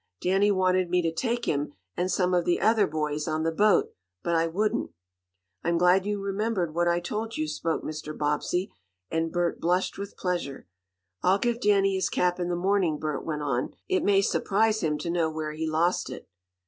Danny wanted me to take him, and some of the other boys, on the boat, but I wouldn't." "I'm glad you remembered what I told you," spoke Mr. Bobbsey, and Bert blushed with pleasure. "I'll give Danny his cap in the morning," Bert went on. "It may surprise him to know where he lost it."